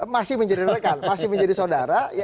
masih menjadi rekan masih menjadi saudara